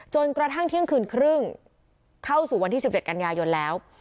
จนกระทั่งเที่ยงคืนครึ่งเข้าสู่วันที่๑๗กันยายนแล้ว